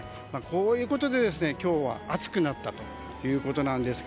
こういうことで今日は暑くなったということなんですが。